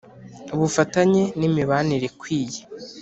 ubufatanye n',imibanire ikwiye.